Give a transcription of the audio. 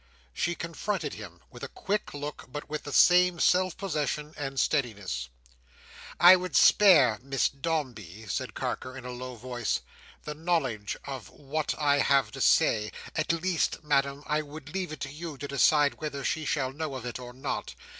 She confronted him, with a quick look, but with the same self possession and steadiness. "I would spare Miss Dombey," said Carker, in a low voice, "the knowledge of what I have to say. At least, Madam, I would leave it to you to decide whether she shall know of it or not.